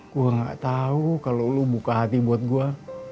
gue gak tau kalau lu buka hati buat gue